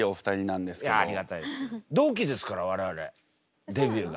同期ですから我々デビューが。